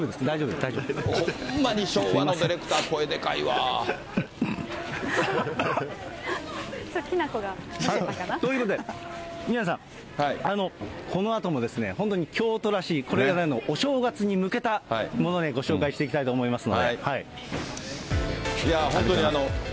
ほんまに昭和のディレクター、声でかいわ。ということで、宮根さん、このあとも、本当に京都らしい、これからのお正月に向けたものをご紹介していきたいと思いますの